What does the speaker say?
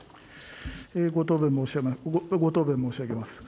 ご答弁申し上げます。